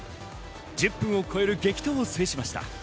１０分を超える激闘を制しました。